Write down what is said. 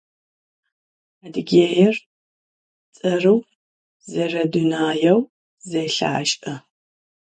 Adıgêir ts'erı'u, zeredunaêu zelhaş'e.